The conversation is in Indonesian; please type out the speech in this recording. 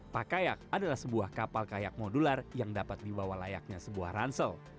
pakayak adalah sebuah kapal kayak modular yang dapat dibawa layaknya sebuah ransel